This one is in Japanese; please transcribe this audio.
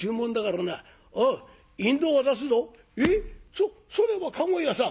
そっそれは駕籠屋さん」。